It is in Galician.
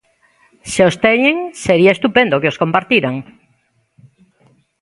Se os teñen, sería estupendo que os compartiran.